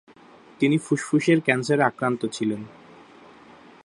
তিনি ফুসফুসের ক্যান্সারে আক্রান্ত ছিলেন।